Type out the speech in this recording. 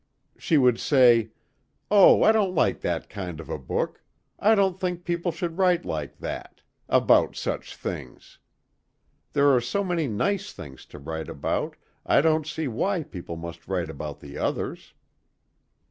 She would say, "Oh, I don't like that kind of a book. I don't think people should write like that about such things. There are so many nice things to write about I don't see why people must write about the others."